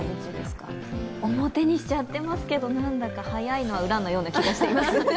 表にしちゃってますけど何だか早いのは裏のような気がしています。